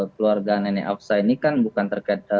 keluarga nenek afsa ini kan bukan terkait